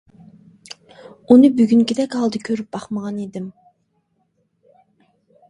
ئۇنى بۈگۈنكىدەك ھالدا كۆرۈپ باقمىغان ئىدىم.